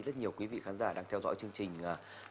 rất nhiều quý vị khán giả đang theo dõi chương trình